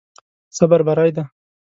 صبر بری دی.